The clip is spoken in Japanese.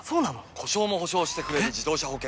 故障も補償してくれる自動車保険といえば？